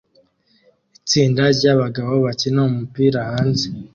Itsinda ryabagabo bakina umupira hanze